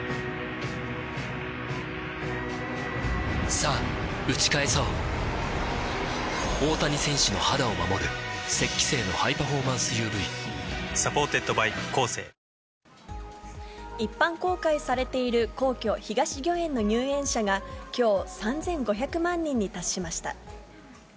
さぁ打ち返そう大谷選手の肌を守る「雪肌精」のハイパフォーマンス ＵＶサポーテッドバイコーセー一般公開されている皇居・東御苑の入園者がきょう、３５００万人に達しました。